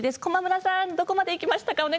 駒村さんどこまでいきましたか？